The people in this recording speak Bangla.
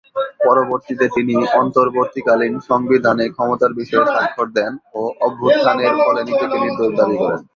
পরবর্তীতে তিনি অন্তর্বর্তীকালীন সংবিধানে ক্ষমতার বিষয়ে স্বাক্ষর দেন ও অভ্যুত্থানের ফলে নিজেকে নির্দোষ দাবী করেন।